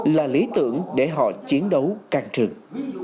là lý tưởng để họ chiến đấu căng trường